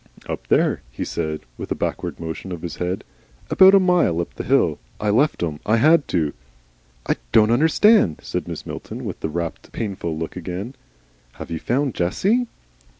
"Up there," he said, with a backward motion of his head. "About a mile up the hill. I left 'em. I HAD to." "I don't understand," said Mrs. Milton, with that rapt, painful look again. "Have you found Jessie?"